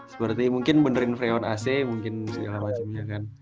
seperti mungkin benerin freon ac mungkin segala macamnya kan